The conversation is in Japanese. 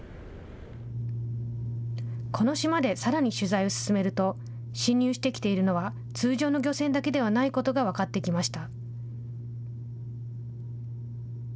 この島でさらに取材を進めると、侵入してきているのは、通常の漁船だけではないことが分かってきました。